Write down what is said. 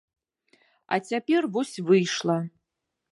А цяпер вось выйшла.